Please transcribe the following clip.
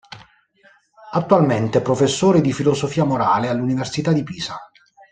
Attualmente è professore di Filosofia Morale all'università di Pisa.